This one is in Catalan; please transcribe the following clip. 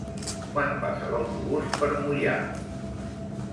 Quan passa l'autobús per Moià?